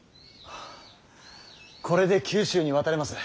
これで九州に渡れます。